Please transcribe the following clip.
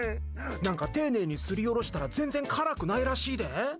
何か丁寧にすりおろしたら全然辛くないらしいで。